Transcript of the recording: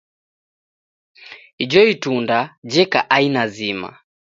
Ijo itunda jeka aina zima.